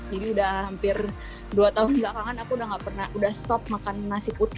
jadi udah hampir dua tahun belakangan aku udah gak pernah udah stop makan nasi putih